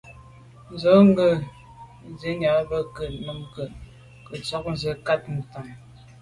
Z’o ghù sènni ba ke ? Numk’o ke tsho’ tshe’ so kà ntsha’t’am à.